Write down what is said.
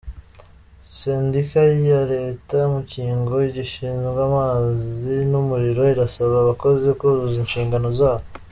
Sendika Ya leta mukigo gishinzwe amazi numuriro irasaba abakozi kuzuza inshingano zabo